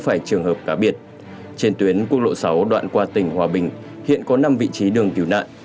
phải trường hợp cá biệt trên tuyến quốc lộ sáu đoạn qua tỉnh hòa bình hiện có năm vị trí đường cứu nạn